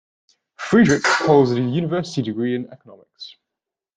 Friedrich holds a University degree in Economics.